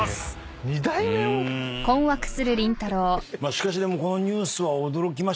しかしでもこのニュースは驚きましたね山崎さん。